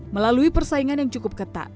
melalui persaingan yang cukup ketat